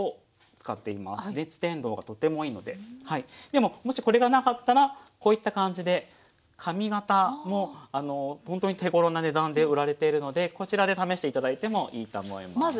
でももしこれがなかったらこういった感じで紙型もほんとに手ごろな値段で売られてるのでこちらで試して頂いてもいいと思います。